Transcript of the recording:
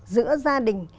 giữa gia đình